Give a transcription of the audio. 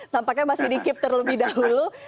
tampaknya masih dikip terlebih dahulu